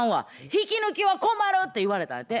引き抜きは困る」って言われたんやて。